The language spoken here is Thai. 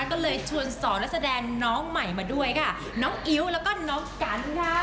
ก็เลยชวนสองนักแสดงน้องใหม่มาด้วยค่ะน้องอิ๊วแล้วก็น้องกันค่ะ